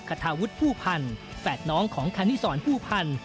คาทาวุฒิผู้พันธ์แฝดน้องของคณิสรผู้พันธ์